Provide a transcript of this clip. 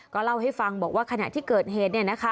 ก็เล่าให้ฟังบอกว่าขณะที่เกิดเหตุ